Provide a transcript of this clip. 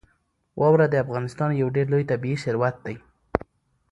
واوره د افغانستان یو ډېر لوی طبعي ثروت دی.